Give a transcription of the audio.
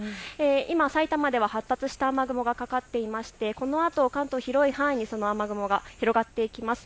今、埼玉では発達した雨雲がかかっていまして、このあと関東、広い範囲にその雨雲が広がっていきます。